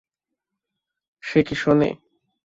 সে কি শোনে?